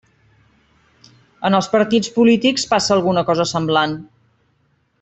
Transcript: En els partits polítics passa alguna cosa semblant.